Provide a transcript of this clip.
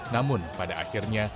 namun pada akhirnya